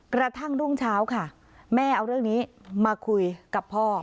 กระทั่งรุ่งเช้าค่ะแม่เอาเรื่องนี้มาคุยกับพ่อ